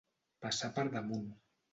Passar per damunt.